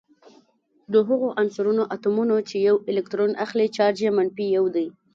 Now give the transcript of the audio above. د هغو عنصرونو اتومونه چې یو الکترون اخلي چارج یې منفي یو دی.